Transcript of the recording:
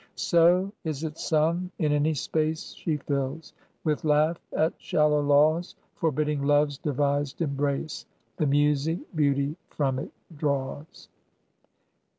So is it sung in any space She fills, with laugh at shallow laws Forbidding love's devised embrace, The music Beauty from it draws.